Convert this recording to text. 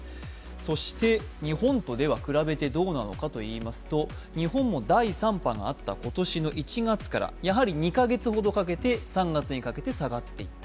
そして、日本と比べてどうなのかといいますと、日本も第３波があった今年の１月からやはり２カ月ほどかけて３月にかけて下がっていった。